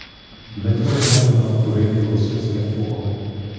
Дмитро глянув навкруги філософським оком.